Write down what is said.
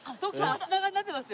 足長になってます。